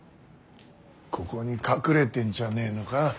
ここに隠れてんじゃねえのか。